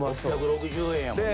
６６０円やもんね。